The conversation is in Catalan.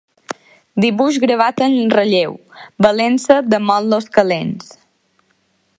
Dibuix gravat en relleu, valent-se de motllos calents.